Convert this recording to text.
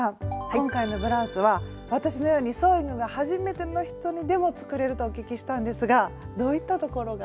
今回のブラウスは私のようにソーイングがはじめての人にでも作れるとお聞きしたんですがどういったところが？